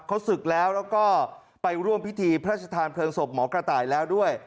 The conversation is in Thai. เขาศึกแล้วแล้วก็ไปร่วมพิธีพระราชทานเพลิงศพหมอกระต่ายแล้วด้วย